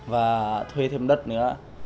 và thuê thêm đất nữa